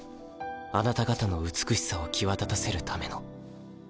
あなた方の美しさを際立たせるための。